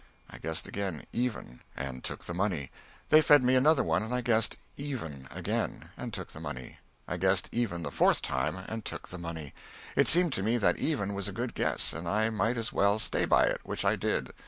I guessed again, "even," and took the money. They fed me another one and I guessed "even" again, and took the money. I guessed "even" the fourth time, and took the money. It seemed to me that "even" was a good guess, and I might as well stay by it, which I did.